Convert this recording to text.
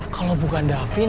kalau bukan davin